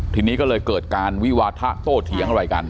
ทีนี้ก็เลยเกิดการวิวาทะโตเถียงอะไรกัน